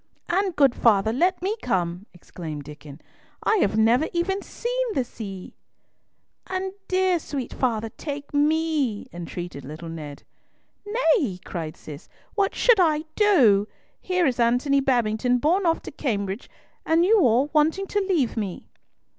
"And, good father, let me come," exclaimed Diccon; "I have never even seen the sea!" "And dear, sweet father, take me," entreated little Ned. "Nay," cried Cis, "what should I do? Here is Antony Babington borne off to Cambridge, and you all wanting to leave me."